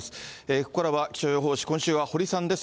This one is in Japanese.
ここからは気象予報士、今週は堀さんです。